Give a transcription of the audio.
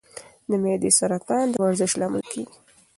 د معدې سرطان د ورزش له امله کمېږي.